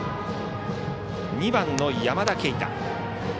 ２番の山田渓太。